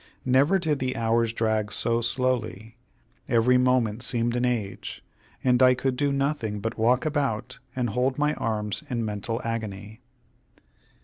Never did the hours drag so slowly. Every moment seemed an age, and I could do nothing but walk about and hold my arms in mental agony.